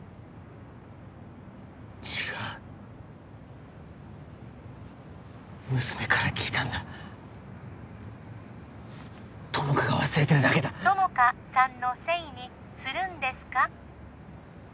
違う娘から聞いたんだ友果が忘れてるだけだ友果さんのせいにするんですか？